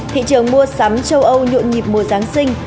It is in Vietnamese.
thị trường mua sắm châu âu nhộn nhịp mùa giáng sinh